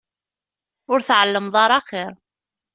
Ur tεellmeḍ ara axir.